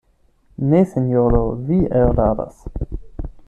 Ne, sinjoro, vi eraras.